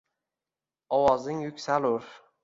Ovozing yuksalur